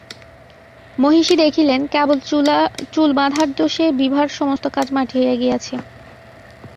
মহিষী দেখিলেন, কেবল চুল বাঁধার দোযে বিভার সমস্ত সাজ মাটি হইয়া গিয়াছে।